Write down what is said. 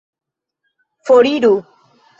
Foriru!